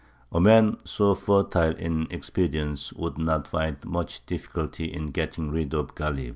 A man so fertile in expedients would not find much difficulty in getting rid of Ghālib.